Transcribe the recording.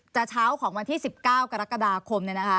เช้าของวันที่๑๙กรกฎาคม